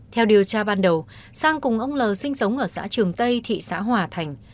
theo điều tra ban đầu sang cùng ông l sinh sống ở xã trường tây thị xã hòa thành